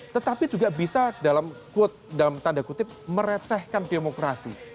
tetapi juga bisa dalam tanda kutip merecehkan demokrasi